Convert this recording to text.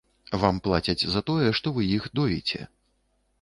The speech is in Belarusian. Вам плацяць за тое, што вы іх доіце.